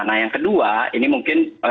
nah yang kedua ini mungkin